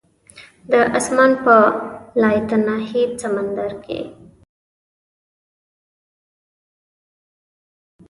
د اسمان په لایتناهي سمندر کې